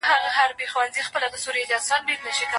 زه به سبا نوی کتاب ولولم.